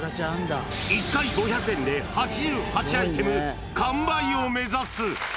１回５００円で８８アイテム完売を目指す。